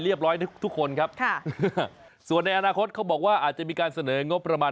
ทุกคนครับส่วนในอนาคตเขาบอกว่าอาจจะมีการเสนองบประมาณ